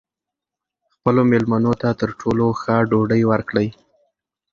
خپلو مېلمنو ته تر ټولو ښه ډوډۍ ورکړئ.